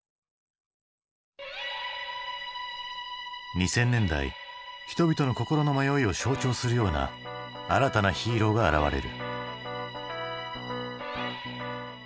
２０００年代人々の心の迷いを象徴するような新たなヒーローが現れる。